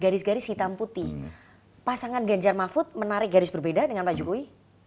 garis garis hitam putih pasangan ganjar mahfud menarik garis berbeda dengan pak jokowi